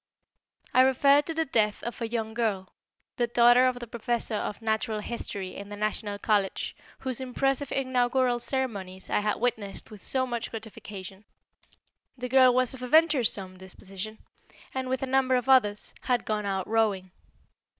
I refer to the death of a young girl, the daughter of the Professor of Natural History in the National College, whose impressive inaugural ceremonies I had witnessed with so much gratification. The girl was of a venturesome disposition, and, with a number of others, had gone out rowing.